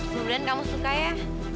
kemudian kamu suka ya